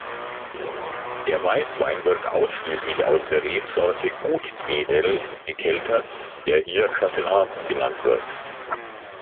Der Weißwein wird ausschließlich aus der Rebsorte Gutedel gekeltert, der hier "Chasselas" genannt wird.